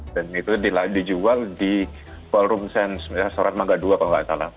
dan itu dijual di ballroom sands soran mangga dua kalau nggak salah